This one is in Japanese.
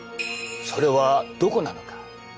それはどこなのか？